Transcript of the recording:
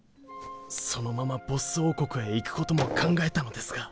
そのままボッス王国へ行くことも考えたのですが。